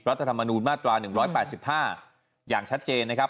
ธรรมนูญมาตรา๑๘๕อย่างชัดเจนนะครับ